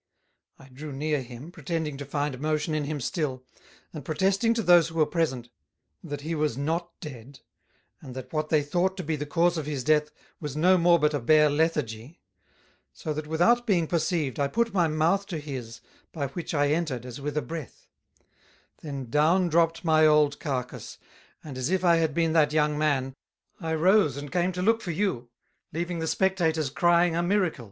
I drew near him, pretending to find motion in him still, and protesting to those who were present, that he was not dead, and that what they thought to be the cause of his Death, was no more but a bare Lethargy; so that without being perceived, I put my Mouth to his, by which I entered as with a breath: Then down dropt my old Carcass, and as if I had been that young Man, I rose and came to look for you, leaving the Spectators crying a Miracle."